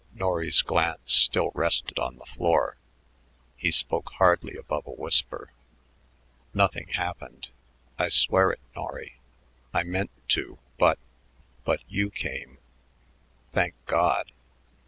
Norry's glance still rested on the floor. He spoke hardly above a whisper. "Nothing happened. I swear it, Norry. I meant to but but you came thank God!